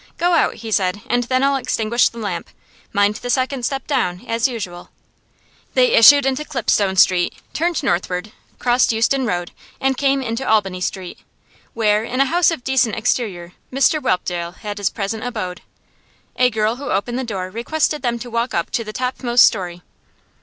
'Go out,' he said, 'and then I'll extinguish the lamp. Mind the second step down, as usual.' They issued into Clipstone Street, turned northward, crossed Euston Road, and came into Albany Street, where, in a house of decent exterior, Mr Whelpdale had his present abode. A girl who opened the door requested them to walk up to the topmost storey.